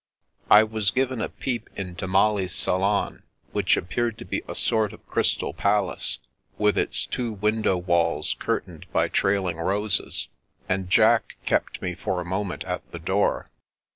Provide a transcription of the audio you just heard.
I was given a peep into Molly's salon, which appeared to be a sort of crystal palace, with its two window walls curtained by trailing roses ; and Jack kept me for a moment at the door.